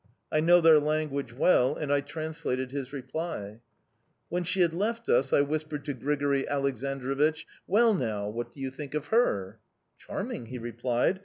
I know their language well, and I translated his reply. "When she had left us I whispered to Grigori Aleksandrovich: "'Well, now, what do you think of her?' "'Charming!' he replied.